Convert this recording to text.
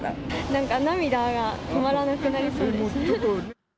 なんか涙が止まらなくなりそうでした。